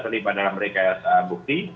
terlibat dalam rekayasa bukti